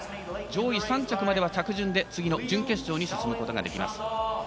上位３着までは着順で次の準決勝に進むことができます。